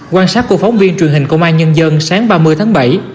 quan sát của phóng viên truyền hình công an nhân dân sáng ba mươi tháng bảy